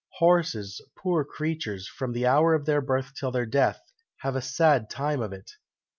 Horses, poor creatures, from the hour of their birth till their death, have a sad time of it!"